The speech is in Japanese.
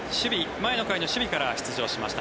前の回の守備から出場しました。